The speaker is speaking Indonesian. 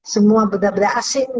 semua beda beda asing